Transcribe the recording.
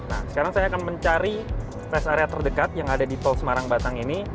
nah sekarang saya akan mencari rest area terdekat yang ada di tol semarang batang ini